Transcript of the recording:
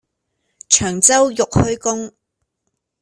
長洲玉虛宮